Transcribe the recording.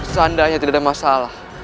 seandainya tidak ada masalah